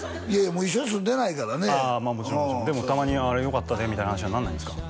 もう一緒に住んでないからねでもたまに「あれよかったで」みたいな話になんないですか？